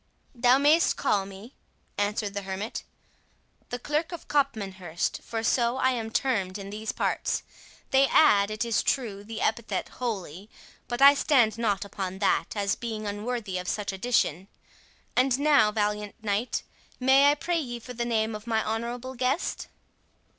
"Thou mayst call me," answered the hermit, "the Clerk of Copmanhurst, for so I am termed in these parts—They add, it is true, the epithet holy, but I stand not upon that, as being unworthy of such addition.—And now, valiant knight, may I pray ye for the name of my honourable guest?"